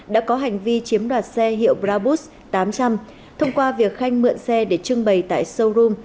đã có hành vi chiếm đoạt xe hiệu brabus tám trăm linh thông qua việc khanh mượn xe để trưng bày tại showroom